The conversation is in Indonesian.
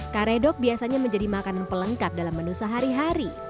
karedok biasanya menjadi makanan pelengkap dalam menu sehari hari